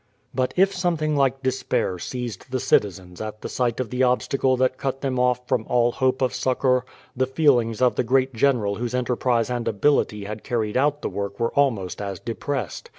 But if something like despair seized the citizens at the sight of the obstacle that cut them off from all hope of succour, the feelings of the great general whose enterprise and ability had carried out the work were almost as depressed.